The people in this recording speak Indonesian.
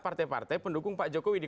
partai partai pendukung pak jokowi di